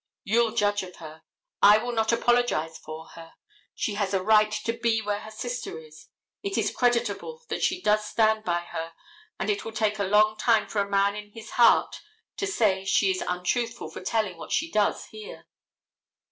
You'll judge of her. I will not apologize for her. She has a right to be where her sister is. It is creditable that she does stand by her and it will take a long time for a man in his heart to say she is untruthful for telling what she does here.